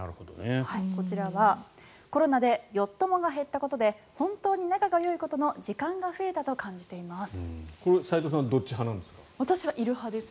こちらはコロナでよっ友が減ったことで本当に仲がよい子との時間が増えたと感じています。